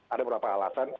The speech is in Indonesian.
ada beberapa alasan